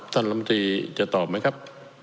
ท่านลำตรีจะตอบไหมครับ